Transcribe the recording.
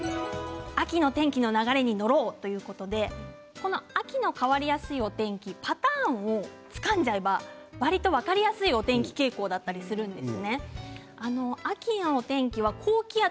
秋の天気の流れに乗ろうということで秋の変わりやすいお天気パターンをつかんでしまえばわりと分かりやすいお天気傾向だったりするんです。